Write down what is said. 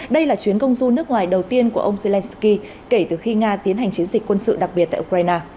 đây là chuyến công du nước ngoài đầu tiên của ông zelensky kể từ khi nga tiến hành chiến dịch quân sự đặc biệt tại ukraine